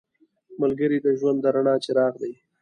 ملګری د ژوند د رڼا څراغ دی